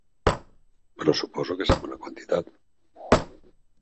Però suposo que sap una quantitat.